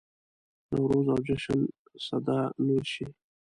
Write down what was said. نوروز او جشن سده نور شي.